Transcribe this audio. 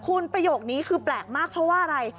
คุณประโยคนี้คือแปลกมากเพราะว่าอะไร